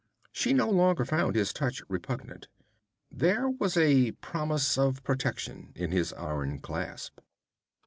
She no longer found his touch repugnant. There was a promise of protection in his iron clasp.